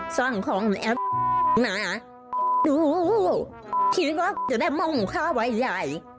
สั่งของในแอปนะดูคิดว่าจะได้หม้อหุงข้าวใบใหญ่